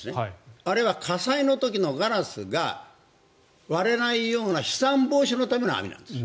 あれは火災の時のガラスが割れないような飛散防止のための網なんです。